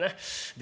で